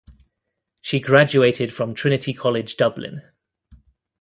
She graduated from Trinity College Dublin.